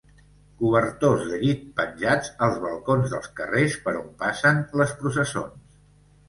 Cobertors de llit penjats als balcons dels carrers per on passen les processons.